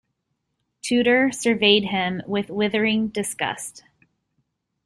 Tudor surveyed him with withering disgust.